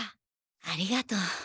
ありがとう。